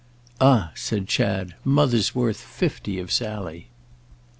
"Ah," said Chad, "Mother's worth fifty of Sally!"